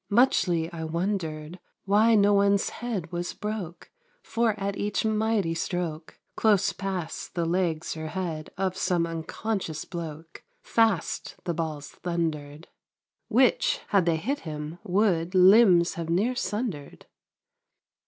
Muchly I wondered Why no one's head was broke, For at each mighty stroke Close pt St the legs or head Of some unconscious bloke, Fast the balls thundered ; Which, had they hit him, would Limbs have near sundered